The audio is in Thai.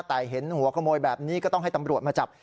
แต่เห็นหัวขโมยแบบนี้ก็ต้องให้ตำรวจมาจับ